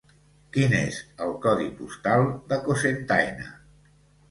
Quin és el codi postal de Cocentaina?